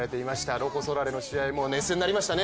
ロコ・ソラーレの試合熱戦になりましたね。